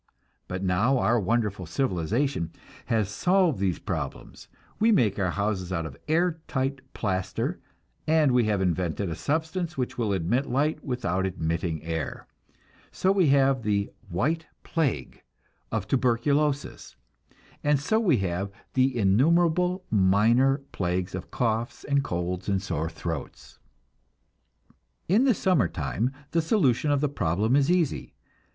But now our wonderful civilization has solved these problems; we make our walls of air tight plaster, and we have invented a substance which will admit light without admitting air. So we have the "white plague" of tuberculosis, and so we have innumerable minor plagues of coughs and colds and sore throats. In the summer time the solution of the problem is easy.